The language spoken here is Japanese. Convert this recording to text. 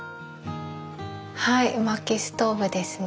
はい薪ストーブですね。